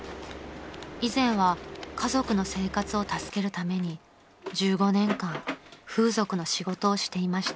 ［以前は家族の生活を助けるために１５年間風俗の仕事をしていました］